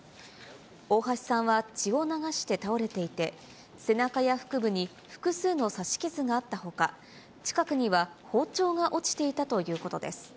大橋さんは血を流して倒れていて、背中や腹部に複数の刺し傷があったほか、近くには包丁が落ちていたということです。